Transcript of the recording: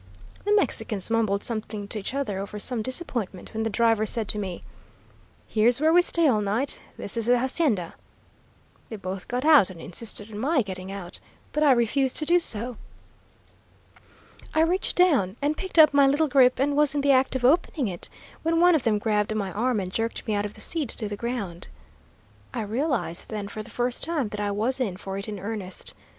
The Mexicans mumbled something to each other over some disappointment, when the driver said to me: "'Here's where we stay all night. This is the hacienda.' They both got out and insisted on my getting out, but I refused to do so. I reached down and picked up my little grip and was in the act of opening it, when one of them grabbed my arm and jerked me out of the seat to the ground. I realized then for the first time that I was in for it in earnest.